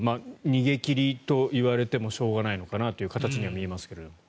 逃げ切りと言われてもしょうがないのかなという形には見えますが。